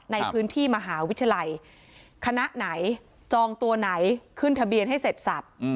ในพื้นที่มหาวิทยาลัยคณะไหนจองตัวไหนขึ้นทะเบียนให้เสร็จสับ